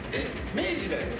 明治だよね？